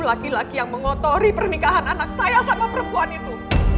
laki laki yang mengotori pernikahan anak saya sama perempuan itu